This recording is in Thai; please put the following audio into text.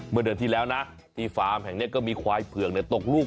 เมื่อเดือนที่แล้วนะที่ฟาร์มแห่งนี้ก็มีควายเผือกตกลูก